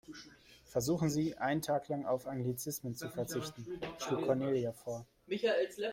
Versuchen Sie, einen Tag lang auf Anglizismen zu verzichten, schlug Cornelia vor.